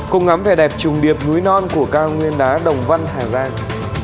cùng ngắm vẻ đẹp trùng điệp núi non của cao nguyên đá đồng văn hà giang